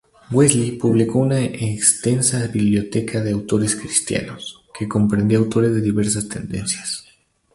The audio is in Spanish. Wesley publicó una extensa biblioteca de autores cristianos, que comprendía autores de diversas tendencias.